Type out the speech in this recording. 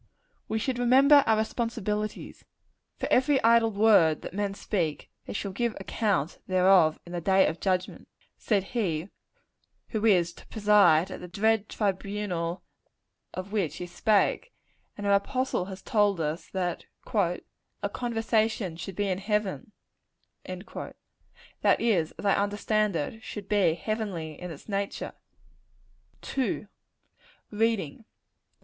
We should remember our responsibilities. "For every idle word that men speak, they shall give account thereof in the day of judgment" said He who is to preside at the dread tribunal of which he spake: and an apostle has told us, that "our conversation should be in heaven;" that is, as I understand it, should be heavenly in its nature. II. _Reading.